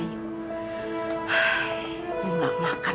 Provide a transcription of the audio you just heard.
kamu gak makan